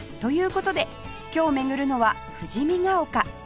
事で今日巡るのは富士見ヶ丘